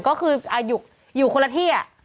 ก็คืออยู่คนละที่